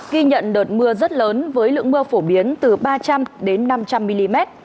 ghi nhận đợt mưa rất lớn với lượng mưa phổ biến từ ba trăm linh đến năm trăm linh mm